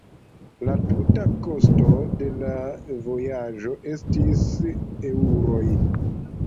La tuta kosto de la vojaĝo estis eŭroj.